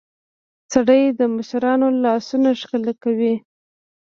سړى د مشرانو لاسونه ښکلوي.